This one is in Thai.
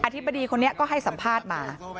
ธิบดีคนนี้ก็ให้สัมภาษณ์มา